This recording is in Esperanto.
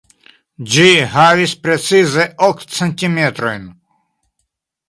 Ĝi havis precize ok centimetrojn!